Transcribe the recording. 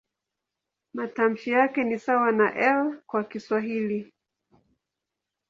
Matamshi yake ni sawa na "L" kwa Kiswahili.